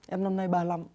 em năm nay ba mươi năm